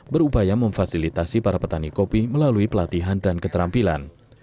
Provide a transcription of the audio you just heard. berupa memfasilitasi para petani kopi melalui pelatihan dan keterampilan